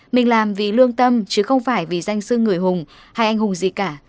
mình làm vì lương tâm chứ không phải vì danh sư người hùng hay anh hùng gì cả